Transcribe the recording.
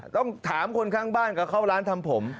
ต้องถามคนข้างบ้านก็เข้าร้านทำผม